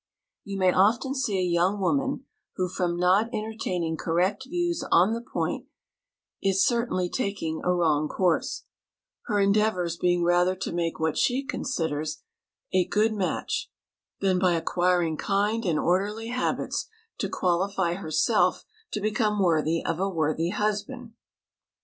You may often see a young woman who, from not entertaining correct views on the point, is certainly taking a wrong course, her endeavors being rather to make what she considers a good match than by acquiring kind and orderly habits to qualify herself to become worthy of a worthy husband.